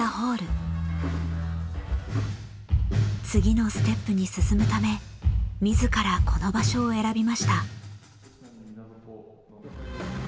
次のステップに進むため自らこの場所を選びました。